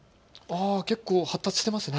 結構発達していますね。